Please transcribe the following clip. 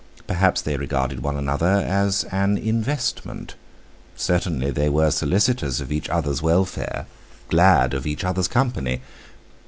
Perhaps they regarded one another as an investment; certainly they were solicitous of each other's welfare, glad of each other's company.